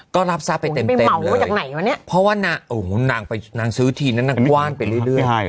ก็รับซาไปเต็มเลยเพราะว่านางโอ้โหนางไปนางซื้อทีนั้นนางกว้างไปเรื่อย